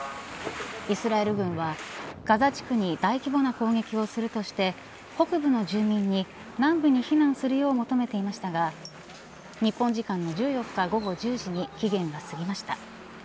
イスラエル軍はガザ地区に大規模な攻撃をするとして北部の住民に南部に避難するよう求めていましたが日本時間の１４日午後１０時に期限が過ぎました。